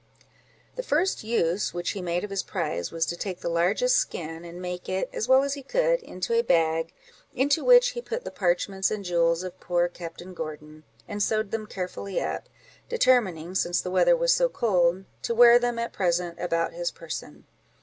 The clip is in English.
The first use which he made of his prize was to take the largest skin, and make it, as well as he could, into a bag, into which he put the parchments and jewels of poor Captain Gordon, and sewed them carefully up, determining, since the weather was so cold, to wear them, at present, about his person.